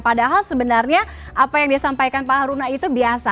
padahal sebenarnya apa yang disampaikan pak haruna itu biasa